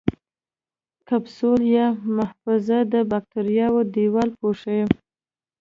کپسول یا محفظه د باکتریاوو دیوال پوښي.